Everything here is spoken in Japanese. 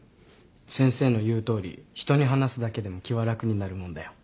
先生の言うとおり人に話すだけでも気は楽になるもんだよ。